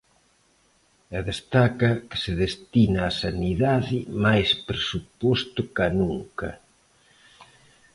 E destaca que se destina á Sanidade máis presuposto ca nunca.